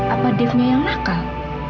apa defnya yang nakal